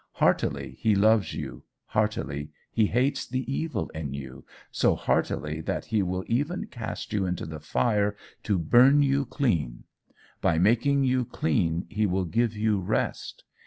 Heartily he loves you, heartily he hates the evil in you so heartily that he will even cast you into the fire to burn you clean. By making you clean he will give you rest.